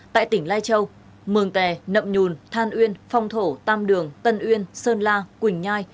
tại tỉnh lai châu mường tè nậm nhùn than uyên phong thổ tam đường tân uyên sơn la quỳnh nhai